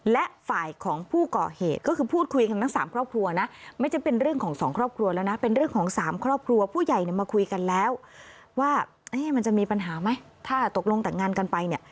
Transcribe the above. และฝ่ายของผู้เกาะเหตุ